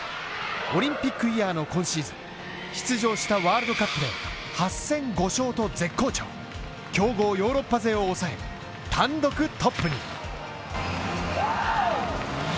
オリンピックイヤーの今シーズン出場したワールドカップで８戦５勝と絶好調強豪ヨーロッパ勢を抑え、単独トップに。